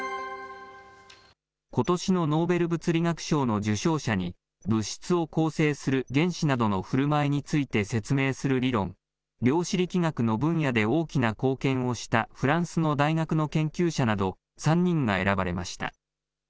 ことしのノーベル物理学賞の受賞者に、物質を構成する原子などのふるまいについて説明する理論、量子力学の分野で大きな貢献をしたフランスの大学の研究者など、３人が選ばれました。